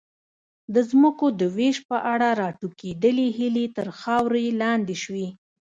د ځمکو د وېش په اړه راټوکېدلې هیلې تر خاورې لاندې شوې.